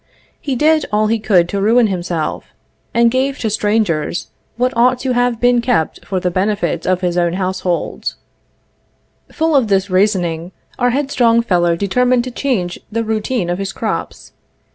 He did all he could to ruin himself, and gave to strangers what ought to have been kept for the benefit of his own household." Full of this reasoning, our headstrong fellow determined to change the routine of his crops.